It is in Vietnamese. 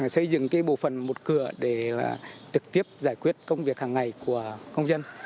xây dựng bộ phận một cửa để trực tiếp giải quyết công việc hàng ngày của công dân